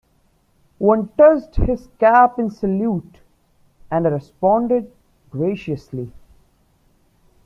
One touched his cap in salute, and I responded graciously.